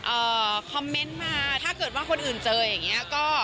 คอมเมนต์มาถ้าเกิดว่าคนอื่นเจออย่างเงี้ยก็